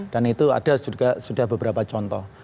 dan itu ada juga sudah beberapa contoh